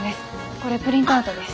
これプリントアウトです。